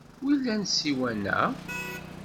Wilan ssiwan-a?